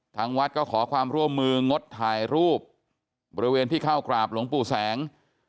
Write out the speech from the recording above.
ทางวัดก็ขอความร่วมมืองดถ่ายรูปบริเวณที่เข้ากราบหลวงปู่แสง